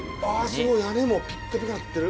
すごい屋根もピカピカなってる。